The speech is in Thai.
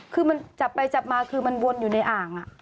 คือมันจับไปจับมาคือมันวนอยู่ในอ่าง